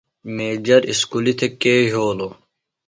میجر اُسکُلیۡ تھےۡ کے یھولوۡ؟